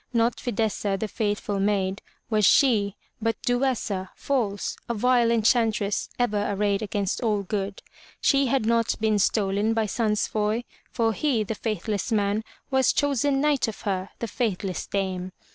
Not Fidessa, the faithful maid, was she, but Du es'sa, false, a vile enchantress, ever arrayed against all good. She had not been stolen by Sansfoy, for he, the faithless man, was chosen knight of her, the faithless dame.